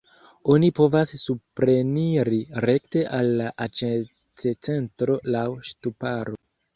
Oni povas supreniri rekte al la aĉetcentro laŭ ŝtuparo.